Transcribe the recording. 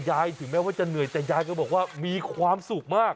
ถึงแม้ว่าจะเหนื่อยแต่ยายก็บอกว่ามีความสุขมาก